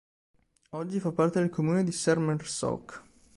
Oggi fa parte del comune di Sermersooq.